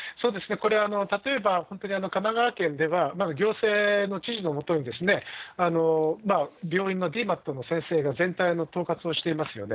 これ、例えば本当に神奈川県では、行政の知事の下に病院のＤＭＡＴの先生が全体の統括をしていますよね。